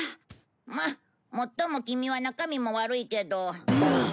まあもっともキミは中身も悪いけど。